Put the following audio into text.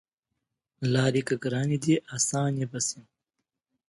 لاری که ګرانې دي اسانې به شي